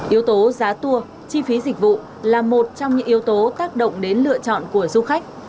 yếu tố giá tour chi phí dịch vụ là một trong những yếu tố tác động đến lựa chọn của du khách